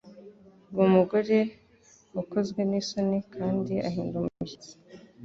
uwo mugore wakozwe n'isoni kandi ahinda umushyitsi,